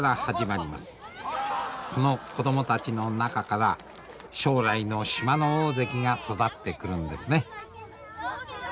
この子供たちの中から将来の島の大関が育ってくるんですね。